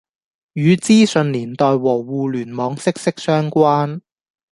與資訊年代和互聯網息息相關